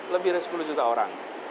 lebih dari sepuluh juta orang